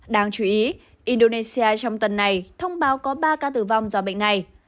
đáng chú ý indonesia trong tuần này thông báo có ba ca tử vong do bệnh này